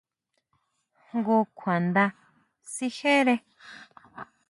Jngu kjuanda sijere.